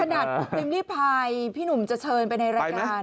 ขนาดพิมพ์ลี่พายพี่หนุ่มจะเชิญไปในรายการ